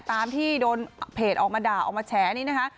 ตามที่โดนเพจออกมาด่าออกมาแฉนี่นะคะ